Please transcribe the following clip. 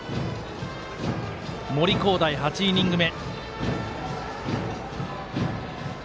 森煌誠、８イニング目。